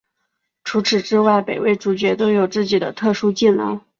除此之外每位主角都有自己的特殊技能。